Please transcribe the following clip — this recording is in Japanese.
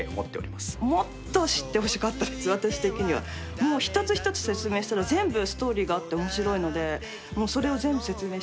もう一つ一つ説明したら全部ストーリーがあって面白いのでもうそれを全部説明したかったです。